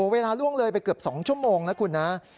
เวลาล่วงเลยไปเกือบ๒ชั่วโมงนะคุณนะ